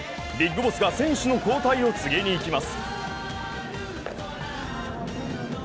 ビッグボスが選手の交代を告げに行きます。